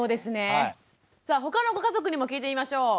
さあ他のご家族にも聞いてみましょう。